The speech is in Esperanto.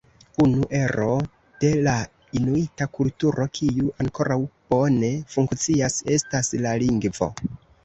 Unu ero de la inuita kulturo kiu ankoraŭ bone funkcias estas la lingvo.